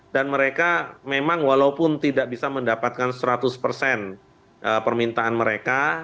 dan mereka memang walaupun tidak bisa mendapatkan seratus persen permintaan mereka